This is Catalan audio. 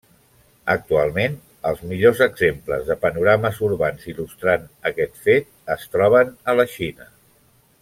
Actualment, els millors exemples de panorames urbans il·lustrant aquest fet es troben a la Xina.